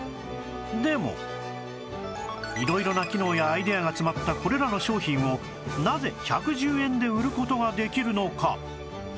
でも色々な機能やアイデアが詰まったこれらの商品をなぜ１１０円で売る事ができるのか？